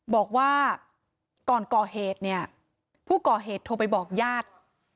บอกว่าก่อนก่อเหตุเนี่ยผู้ก่อเหตุโทรไปบอกญาติ